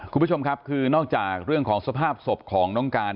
คุณผู้ชมครับคือนอกจากเรื่องของสภาพศพของน้องการ